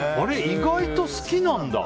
意外と好きなんだ。